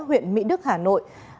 huyện mỹ đức hà nội